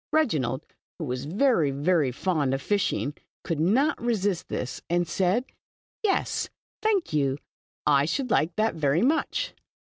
Reginald, who was very, ven* fond of fishing, could not resist this, and said :'• Yes. thank you. I should like that ven* much.